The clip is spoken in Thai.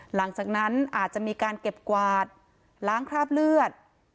หลังจากนั้นอาจจะมีการเก็บกวาดล้างคราบเลือด